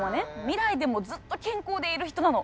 未来でもずっと健康でいる人なの。